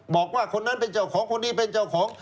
บอกว่าคนนั้นเป็นเจ้าของคนนี้เป็นเจ้าของ